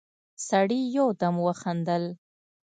سړي يودم وخندل: